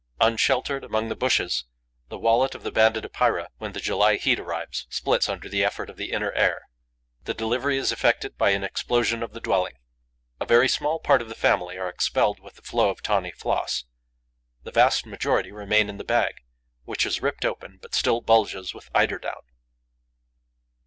Unsheltered, among the bushes, the wallet of the Banded Epeira, when the July heat arrives, splits under the effort of the inner air. The delivery is effected by an explosion of the dwelling. A very small part of the family are expelled with the flow of tawny floss; the vast majority remain in the bag, which is ripped open, but still bulges with eiderdown.